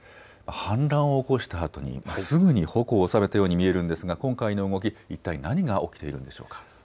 反乱を起こしたあとにすぐに矛を収めたように見えるんですが今回の動き、一体何が起きているんでしょうか。